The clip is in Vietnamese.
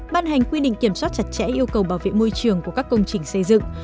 ban hành quy định kiểm soát chặt chẽ yêu cầu bảo vệ môi trường của các công trình xây dựng